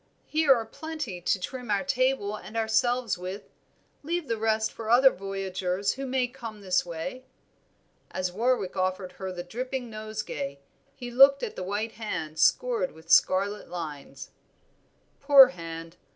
Here are plenty to trim our table and ourselves with; leave the rest for other voyagers who may come this way." As Warwick offered her the dripping nosegay he looked at the white hand scored with scarlet lines. "Poor hand!